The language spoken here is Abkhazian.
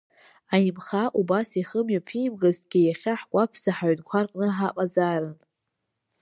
Аимхаа убас ихы мҩаԥимгазҭгьы, иахьа ҳкәаԥӡа ҳаҩнқәа рҟны ҳаҟазаарын.